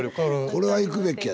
これは行くべきやで。